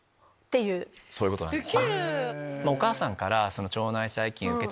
そういうことなんです。